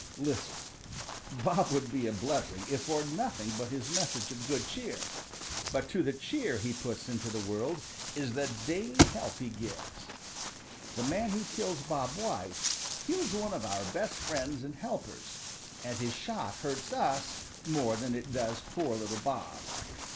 Listen! Bob would be a blessing if for nothing but his message of good cheer. But to the cheer he puts into the world is the daily help he gives. The man who kills Bob White kills one of our best friends and helpers, and his shot hurts us more than it does poor little Bob.